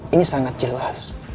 ini sangat jelas